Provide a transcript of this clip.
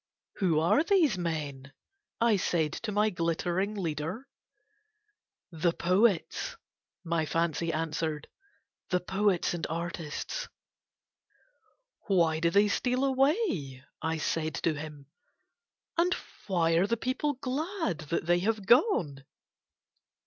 "Who are these men?" I said to my glittering leader. "The poets," my fancy answered. "The poets and artists." "Why do they steal away?" I said to him. "And why are the people glad that they have gone?"